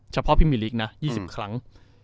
เฉพาะพิเมริกนะ๒๐ครั้ง